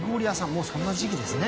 もうそんな時季ですね。